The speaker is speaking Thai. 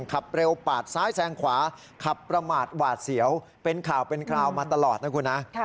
ขับเร็วปาดซ้ายแซงขวาขับประมาทหวาดเสียวเป็นข่าวเป็นคราวมาตลอดนะคุณนะ